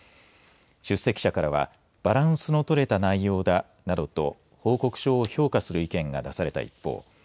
出席者からはバランスの取れた内容だ。などと報告書を評価する意見が出された一方